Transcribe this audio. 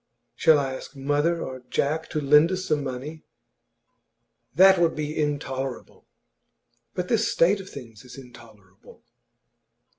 'Shall I ask mother or Jack to lend us some money?' 'That would be intolerable.' 'But this state of things is intolerable!